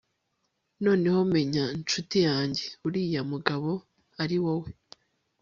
Noneho menya nshuti yanjye uriya mugabo uriwowe